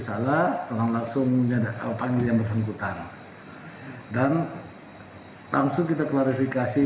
salah telah langsung menyadakal panggilan bersengkutan dan langsung kita klarifikasi